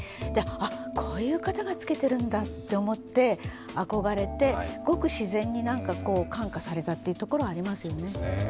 あ、こういう方が着けているんだと思って憧れて、ごく自然に感化されたというところ、ありますよね。